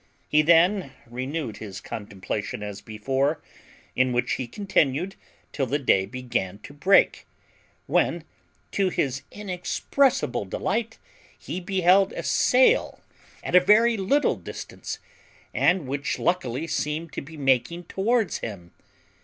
He then renewed his contemplation as before, in which he continued till the day began to break, when, to his inexpressible delight, he beheld a sail at a very little distance, and which luckily seemed to be making towards him.